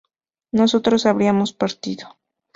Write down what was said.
nosotros habríamos partido